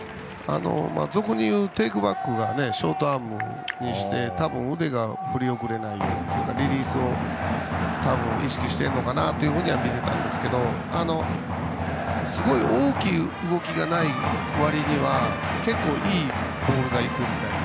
俗に言うテイクバックがショートアームして多分、腕が振り遅れないようにというかリリースをたぶん意識しているかなと見てたんですがすごい大きい動きがない割りには結構いいボールが行くみたいな。